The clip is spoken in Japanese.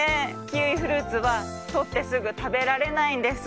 キウイフルーツはとってすぐたべられないんです。